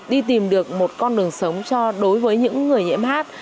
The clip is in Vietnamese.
đi tìm được một con đường sống cho đối với những người nhiễm hi